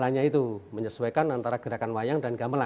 tinggal gambar itu menyesuaikan antara gerakan wayang dan gambar